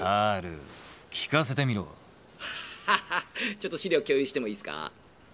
ちょっと資料共有してもいいっすか。